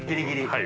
はい。